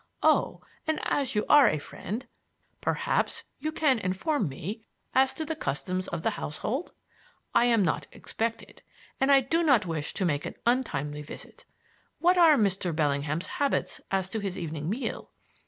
Oh, and as you are a friend, perhaps you can inform me as to the customs of the household. I am not expected, and I do not wish to make an untimely visit. What are Mr. Bellingham's habits as to his evening meal?